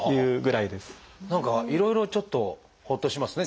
何かいろいろちょっとほっとしますね。